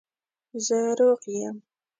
زه روغ یم